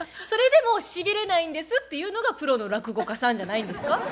それでもしびれないんですって言うのがプロの落語家さんじゃないんですか。